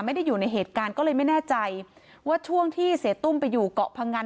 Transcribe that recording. ไม่ได้อยู่ในเหตุการณ์ก็เลยไม่แน่ใจว่าช่วงที่เสียตุ้มไปอยู่เกาะพงัน